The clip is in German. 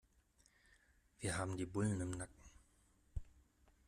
Wir haben die Bullen im Nacken.